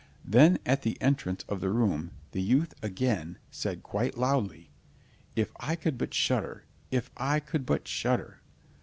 Then at the entrance of the room the youth again said quite loudly, "If I could but shudder! If I could but shudder!"